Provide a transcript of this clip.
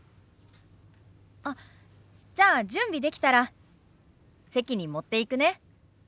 あっじゃあ準備できたら席に持っていくね。